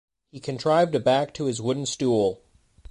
He contrived a back to his wooden stool.